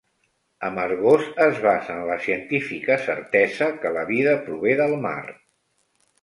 Amargós es basa en la científica certesa que la vida prové del mar.